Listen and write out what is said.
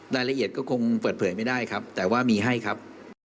รายละเอียดก็คงเปิดเผยไม่ได้ครับแต่ว่ามีให้ครับ